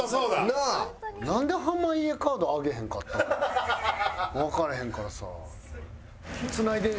なんで濱家カード上げへんかったんかわからへんからさ。